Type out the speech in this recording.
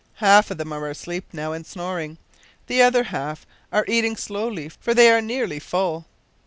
Half of them are asleep now, and snoring. The other half are eating slowly, for they are nearly full.